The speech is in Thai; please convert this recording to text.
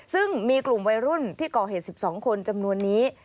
ซึ่งมีกลุ่มวัยรุ่นที่ก่อเหตุ๑๒คนจำนวนนี้